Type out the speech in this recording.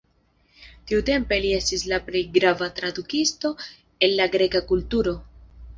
Tiutempe li estis la plej grava tradukisto el la greka kulturo.